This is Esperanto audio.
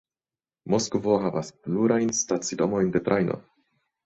Moskvo havas plurajn stacidomojn de trajno.